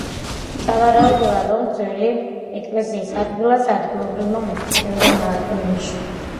სავარაუდოა, რომ ძველი ეკლესიის ადგილას ადგილობრივმა მოსახლეობამ ააგო ნიში.